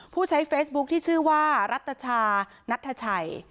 ผู้ใช้เฟซบุ๊คที่ชื่อว่ารัตชานัทชัย